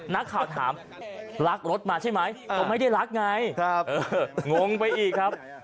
นักข่าวถามรักรถมาใช่ไหมก็ไม่ได้รักไงงไปอีกครับ